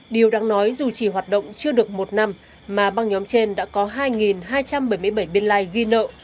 điều đáng nói dù chỉ hoạt động chưa được một năm mà băng nhóm trên đã có hai hai trăm bảy mươi bảy biên lai ghi nợ